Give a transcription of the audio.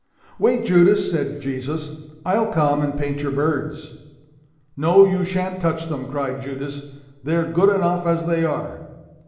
"Wait, Judas!" said Jesus. "I'll come and paint your birds." "No, you shan't touch them!" cried Judas. "They're good enough as they are."